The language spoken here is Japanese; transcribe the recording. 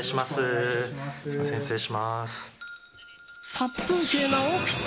殺風景なオフィス。